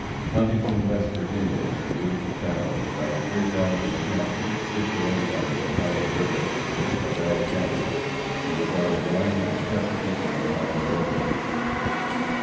Huntington, West Virginia, is a beautiful town of about 3,000 inhabitants, situated on the Ohio river, in Cabell county, and is on the line of the Chesapeake & Ohio Railroad.